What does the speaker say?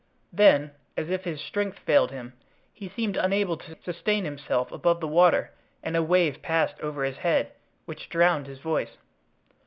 Then, as if his strength failed him, he seemed unable to sustain himself above the water and a wave passed over his head, which drowned his voice.